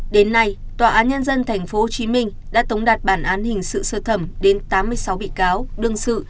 đến nay tòa án nhân dân tp hcm đã tống đạt bản án hình sự sơ thẩm đến tám mươi sáu bị cáo đương sự